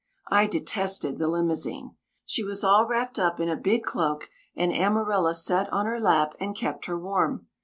I detested the limousine. She was all wrapped up in a big cloak, and Amarilla sat on her lap and kept her warm.